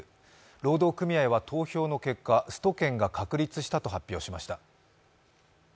労働組合は投票の結果、スト権が確立したと発表しました。